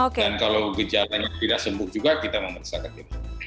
dan kalau gejalanya tidak sembuh juga kita mempercayai